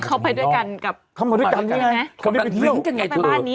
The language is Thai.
เข้าไปด้วยกันเนี่ย